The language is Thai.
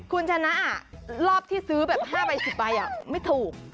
คุณชนะรอบที่ซื้อแบบ๕ใบ๑๐ใบไม่ถูก